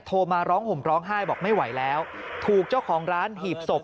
โทรมาร้องห่มร้องไห้บอกไม่ไหวแล้วถูกเจ้าของร้านหีบศพ